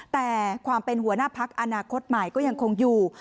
แต่ความเป็นหัวหน้าพักอนาคตใหม่ก็ยังคงอยู่